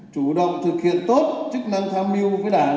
chủ động thực hiện tốt chức năng tham mưu với đảng